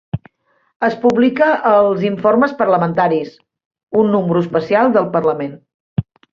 Es publica als "Informes parlamentaris", un número especial del Parlament.